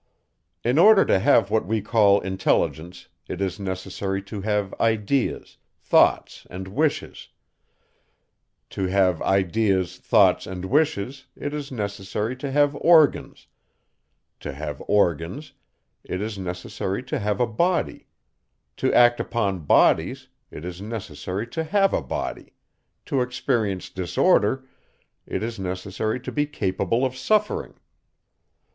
In order to have what we call intelligence, it is necessary to have ideas, thoughts, and wishes; to have ideas, thoughts, and wishes, it is necessary to have organs; to have organs, it is necessary to have a body; to act upon bodies, it is necessary to have a body; to experience disorder, it is necessary to be capable of suffering.